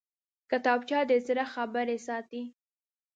کتابچه د زړه خبرې ساتي